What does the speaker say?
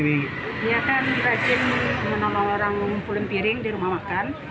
dia kan rajin menolong orang ngumpulin piring di rumah makan